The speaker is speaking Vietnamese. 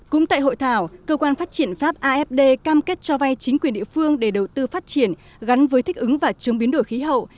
cũng tại hội thảo cơ quan phát triển pháp afd cam kết cho vay chính quyền địa phương để đầu tư phát triển gắn với thích ứng và chống biến đổi khí hậu